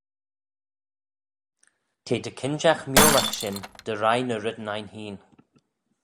T'eh dy kinjagh miolagh shin dy reih ny reddyn ain hene.